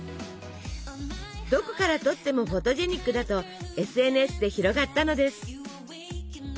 どこから撮ってもフォトジェニックだとＳＮＳで広がったのです。